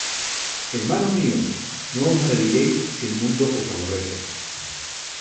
Hermanos míos, no os maravilléis si el mundo os aborrece.